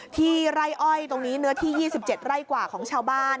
ไร่อ้อยตรงนี้เนื้อที่๒๗ไร่กว่าของชาวบ้าน